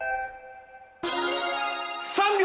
３秒！